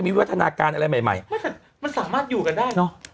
มีวัฒนาการอะไรใหม่ใหม่มันสามารถอยู่กันได้เนอะ